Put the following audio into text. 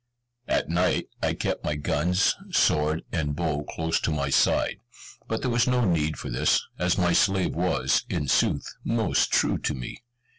At night, I kept my guns, sword, and bow close to my side; but there was no need for this, as my slave was, in sooth, most true to me.